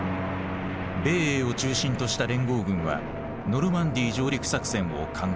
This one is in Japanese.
米英を中心とした連合軍はノルマンディー上陸作戦を敢行。